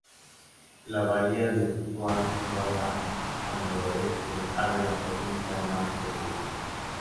La bahía de Butuan, situada an noroeste, abre la provincia al Mar de Bohol.